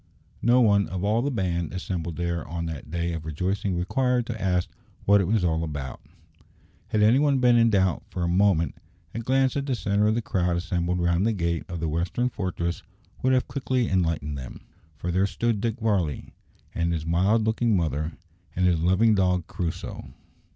No one of all the band assembled there on that day of rejoicing required to ask what it was all about. Had any one been in doubt for a moment, a glance at the centre of the crowd assembled round the gate of the western fortress would have quickly enlightened him. For there stood Dick Varley, and his mild looking mother, and his loving dog Crusoe.